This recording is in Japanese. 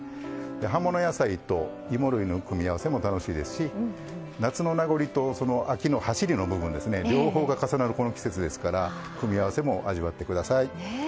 葉物野菜と芋類の組み合わせも楽しいですし夏の名残と秋のはしりの部分両方が重なるこの季節ですから組み合わせも味わってください。